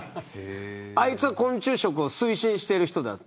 あいつは昆虫食を推進している人だと。